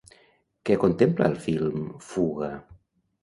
Què contempla el film Fuga?